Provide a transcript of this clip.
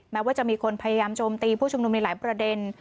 ว่าจะมีคนพยายามโจมตีผู้ชุมนุมในหลายประเด็น